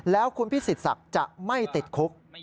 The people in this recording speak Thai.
แล้วคุณพิสิทธศักดิ์จะไม่ติดคุก